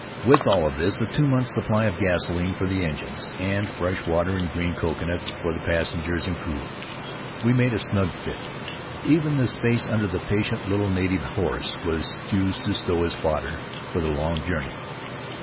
With all of this, a two months' supply of gasoline for the engines, and fresh water and green coconuts for both passengers and crew, we made a snug fit. Even the space under the patient little native horse was used to stow his fodder for the long journey.